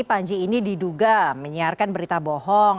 panji ini diduga menyiarkan berita bohong